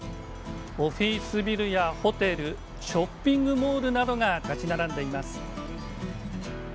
オフィスビルやホテルショッピングモールなどが立ち並んでいます。